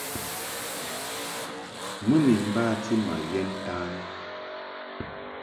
Mɨ ni bati ma ghɛn ntan.